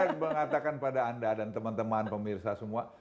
saya ingin mengatakan pada anda dan teman teman pemirsa semua